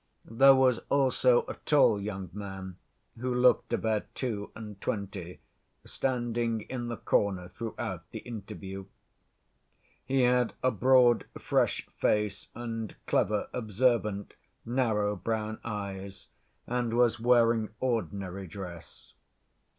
There was also a tall young man, who looked about two and twenty, standing in the corner throughout the interview. He had a broad, fresh face, and clever, observant, narrow brown eyes, and was wearing ordinary dress.